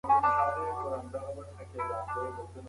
زه به اوږده موده د باغ بوټو ته اوبه ورکړي وم.